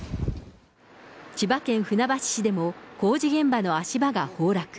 千葉県船橋市でも、工事現場の足場が崩落。